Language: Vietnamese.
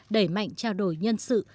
đẩy mạnh trao đổi nhân sự